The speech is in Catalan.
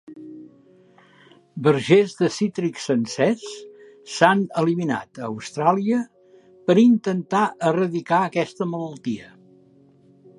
Vergers de cítrics sencers s'han eliminat a Austràlia per intentar erradicar aquesta malaltia.